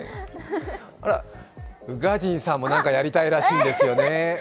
宇賀神さんもやりたいらしいですよね。